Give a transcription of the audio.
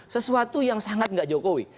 sesuatu yang sangat nggak jokowi